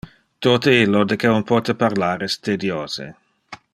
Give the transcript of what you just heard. Tote lo de que on pote parlar es tediose.